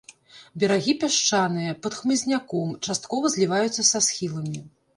Берагі пясчаныя, пад хмызняком, часткова зліваюцца са схіламі.